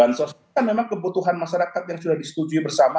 bansos kan memang kebutuhan masyarakat yang sudah disetujui bersama